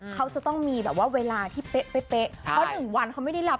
เขาจะต้องมีแบบว่าเวลาที่เป๊ะเพราะ๑วันเขาไม่ได้รับ